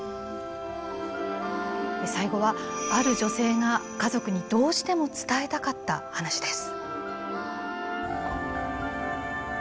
最後はある女性が家族にどうしても伝えたかった話です。